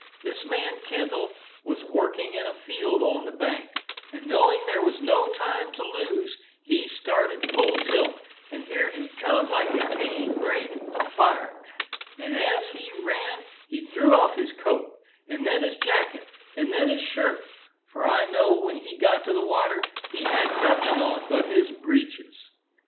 This man Kendall was working in a field on the bank, and knowing there was no time to lose, he started full tilt, and here he come like a cane brake afire; and as he ran, he threw off his coat, and then his jacket, and then his shirt, for I know when he got to the water he had nothing on but his breeches.